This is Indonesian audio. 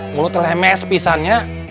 mulut lemes pisahnya